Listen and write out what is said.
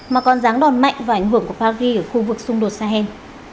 mà còn ráng đòn mạnh và ảnh hưởng của paris ở khu vực xung đột sahel